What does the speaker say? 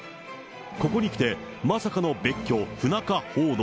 ここに来て、まさかの別居、不仲報道。